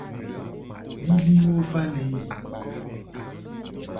Liliwo va le yi.